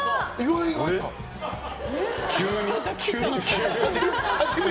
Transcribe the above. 急に？